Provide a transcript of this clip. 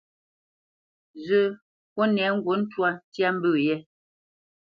Zə́, kúnɛ ŋgǔt ntwâ ntya mbə̄ yɛ́.